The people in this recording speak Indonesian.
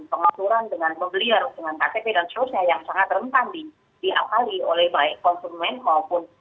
pengaturan dengan membelier dengan ktp dan seterusnya yang sangat rentan diakali oleh baik konsumen maupun